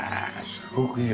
すごくいいよ。